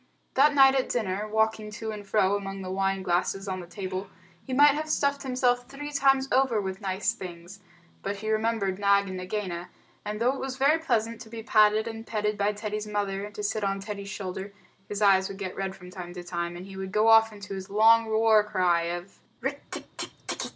That night at dinner, walking to and fro among the wine glasses on the table, he might have stuffed himself three times over with nice things. But he remembered Nag and Nagaina, and though it was very pleasant to be patted and petted by Teddy's mother, and to sit on Teddy's shoulder, his eyes would get red from time to time, and he would go off into his long war cry of "Rikk tikk tikki tikki tchk!"